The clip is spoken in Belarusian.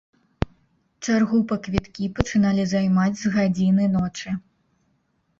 Чаргу па квіткі пачыналі займаць з гадзіны ночы.